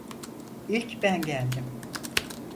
İlk ben geldim.